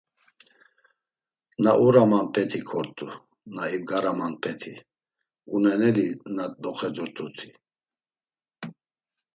Na urumanpeti kort̆u, na ibgaramanpeti, uneneli na doxedurt̆uti…